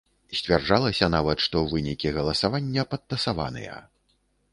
Сцвярджалася нават, што вынікі галасавання падтасаваныя.